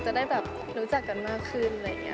จะได้รู้จักกันมากขึ้น